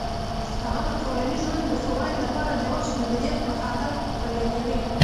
هغه د کورني ژوند د ښه والي لپاره د وخت مدیریت مهارت پلي کوي.